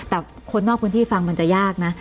แต่คนนอกพื้นที่ฟังมันจะยากนะ